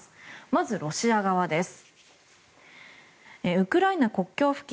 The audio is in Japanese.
まず、ロシア側です。